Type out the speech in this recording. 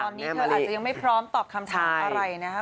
ตอนนี้เธออาจจะยังไม่พร้อมตอบคำถามอะไรนะคะ